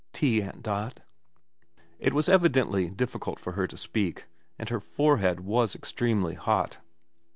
Tea, Aunt Dot ?' It was evidently difficult for her to speak, and her forehead was extremely hot.